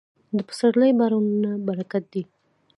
د پسرلي بارانونه برکت دی.